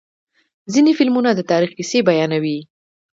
ځینې فلمونه د تاریخ کیسې بیانوي.